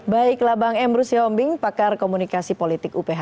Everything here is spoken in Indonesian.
baiklah bang emru sihombing pakar komunikasi politik uph